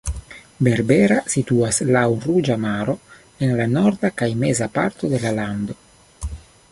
Berbera situas laŭ Ruĝa Maro en la norda kaj meza parto de la lando.